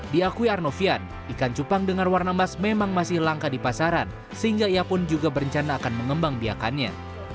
diakui arnovian ikan cupang dengan warna emas memang masih langka di pasaran sehingga ia pun juga berencana akan mengembang biakannya